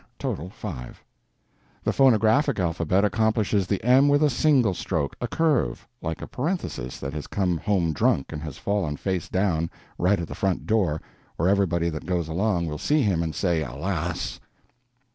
Total, five. The phonographic alphabet accomplishes the m with a single stroke—a curve, like a parenthesis that has come home drunk and has fallen face down right at the front door where everybody that goes along will see him and say, Alas!